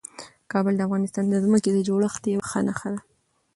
کابل د افغانستان د ځمکې د جوړښت یوه ښه نښه ده.